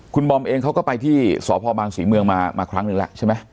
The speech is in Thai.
คุณบอมเองเขาก็ไปที่สพบางศรีเมืองมาครั้งหนึ่งแล้วใช่ไหม